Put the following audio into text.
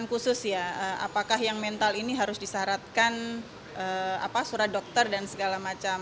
tidak ada aturan khusus ya apakah yang mental ini harus disaratkan surat dokter dan segala macam